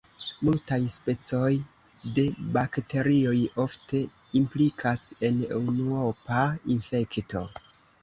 Multaj specoj de bakterioj ofte implikas en unuopa infekto.